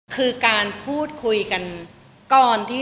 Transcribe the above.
คือการพูดคุยกันก่อนที่